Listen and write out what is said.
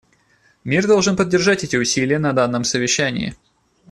Мир должен поддержать эти усилия на данном совещании.